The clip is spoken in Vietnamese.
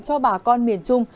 cho bà con miền trung